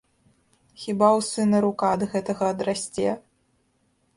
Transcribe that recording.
Хіба ў сына рука ад гэтага адрасце?